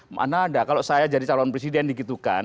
mana ada kalau saya jadi calon presiden digitukan